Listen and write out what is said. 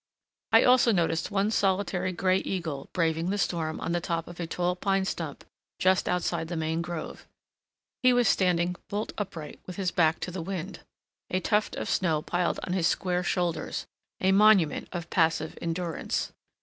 I also noticed one solitary gray eagle braving the storm on the top of a tall pine stump just outside the main grove. He was standing bolt upright with his back to the wind, a tuft of snow piled on his square shoulders, a monument of passive endurance.